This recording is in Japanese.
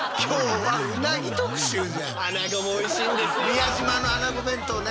宮島のあなご弁当ね。